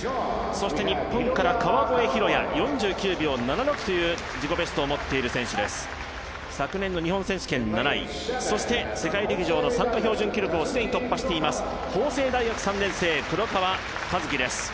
そして、日本から川越広弥４９秒７６という自己ベストを持っている選手です昨年の日本選手権７位そして世界陸上の参加標準記録を既に突破しています、法政大学３年生、黒川和樹です。